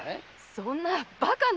そんなバカな！